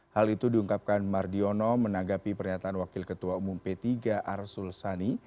hal itu diungkapkan mardiono menanggapi pernyataan wakil ketua umum p tiga arsul sani